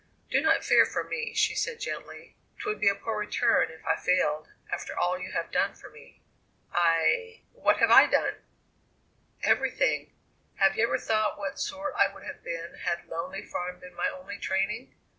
"Do not fear for me," she said gently; "'twould be a poor return if I failed, after all you have done for me." "I what have I done?" "Everything. Have you ever thought what sort I would have been had Lonely Farm been my only training?"